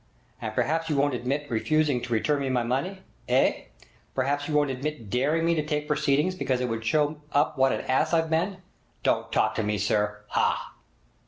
And perhaps you won't admit refusing to return me my money? Eh? Perhaps you won't admit daring me to take proceedings because it would show up what an ass I've been! Don't talk to me, sir! Haugh!'